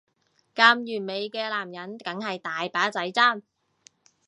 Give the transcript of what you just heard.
咁完美嘅男人梗係大把仔爭